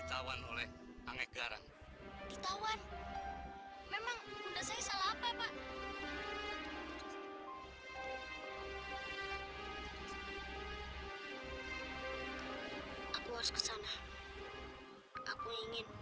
ditawan oleh angget garang ditawan memang udah saya salah apa pak aku harus kesana aku ingin